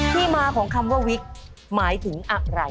ที่มาของคำว่าวิกหมายถึงอะไร